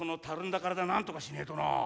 体なんとかしねえとな。